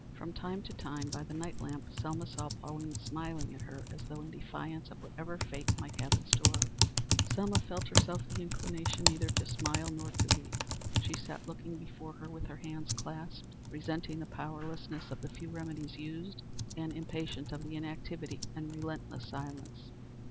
From time to time, by the night lamp, Selma saw Pauline smiling at her as though in defiance of whatever fate might have in store. Selma herself felt the inclination neither to smile nor to weep. She sat looking before her with her hands clasped, resenting the powerlessness of the few remedies used, and impatient of the inactivity and relentless silence.